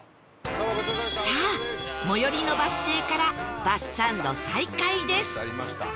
さあ最寄りのバス停からバスサンド再開です